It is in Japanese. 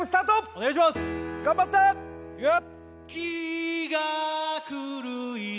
お願いします頑張って・いいよ！